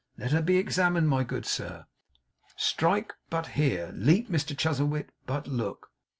Let her be examined, my good sir. Strike, but hear! Leap, Mr Chuzzlewit, but look!